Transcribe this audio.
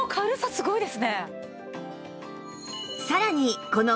すごいです！